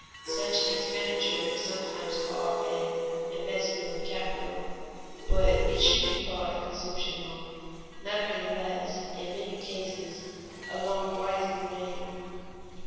Such an expenditure is sometimes called "an investment of capital," but it should be called a consumption loan nevertheless in many cases a loan wisely made.